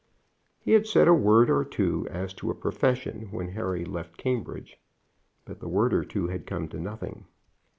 He had said a word or two as to a profession when Harry left Cambridge, but the word or two had come to nothing.